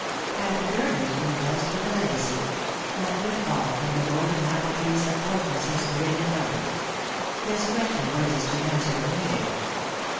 Had the Gurners been blessed with a legacy — that windfall from the golden apple trees of Fortune's Hesperidian garden? This question Voysey street answered in the negative.